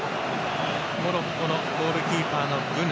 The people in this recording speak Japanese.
モロッコのゴールキーパーのブヌ。